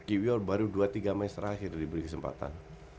iwl baru dua tiga match terakhir diberi kesempatan